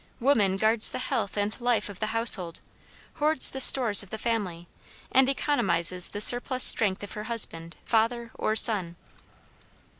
Woman guards the health and life of the household, hoards the stores of the family, and economizes the surplus strength of her husband, father, or son.